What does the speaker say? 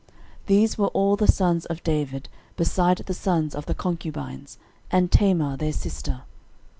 13:003:009 These were all the sons of David, beside the sons of the concubines, and Tamar their sister.